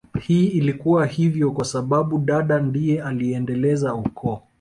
Hii ilikuwa hivyo kwa sababu dada ndiye anayeendeleza ukoo